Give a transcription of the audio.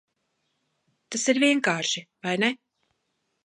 Tas ir vienkārši, vai ne?